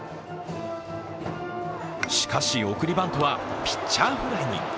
しかし、送りバントはピッチャーフライに。